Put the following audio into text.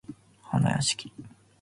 はなやしき